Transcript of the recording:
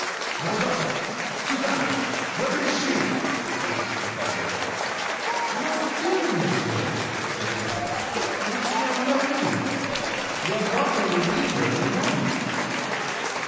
"My daughter! Suzanne! Where is she!" repeated the professor. "Mon Dieu, monsieur," said Lupin, "what's your hurry? Your daughter will be here in a moment."